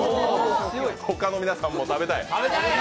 他の皆さんも食べたい？